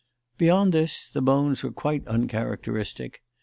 Beyond this the bones were quite uncharacteristic.